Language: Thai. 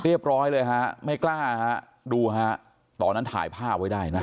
เรียบร้อยเลยฮะไม่กล้าฮะดูฮะตอนนั้นถ่ายภาพไว้ได้นะ